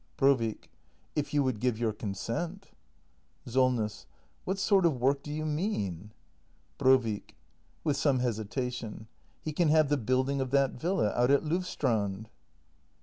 Brovik. If y o u would give your consent. SOLNESS. What sort of work do you mean ? Brovik. [With some hesitation.] He can have the building of that villa out at Lovstrand.